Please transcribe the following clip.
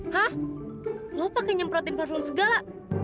hah lo pake nyemprotin parfum segala